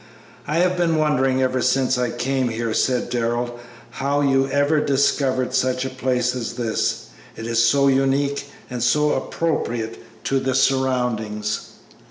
"I have been wondering ever since I came here," said Darrell, "how you ever discovered such a place as this. It is so unique and so appropriate to the surroundings."